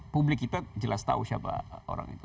publik kita jelas tahu siapa orang itu